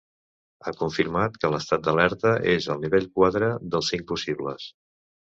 Ha confirmat que l’estat d’alerta és al nivell quatre dels cinc possibles.